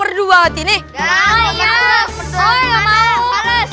merdu banget ini enggak ya saya mau